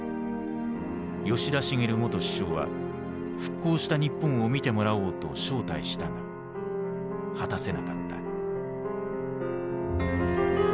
吉田茂元首相は復興した日本を見てもらおうと招待したが果たせなかった。